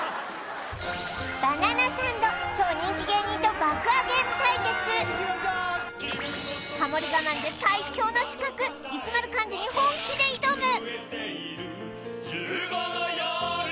バナナサンド超人気芸人と爆上げむ対決ハモリ我慢で最強の刺客石丸幹二に本気で挑む